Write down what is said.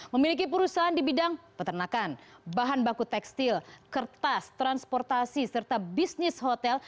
memiliki perusahaan di bidang peternakan bahan baku tekstil kertas transportasi serta bisnis hotel